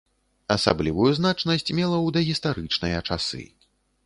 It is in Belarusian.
Асаблівую значнасць мела ў дагістарычныя часы.